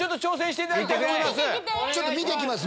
私⁉ちょっと見てきます！